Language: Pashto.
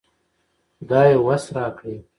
خدايه وس راکړې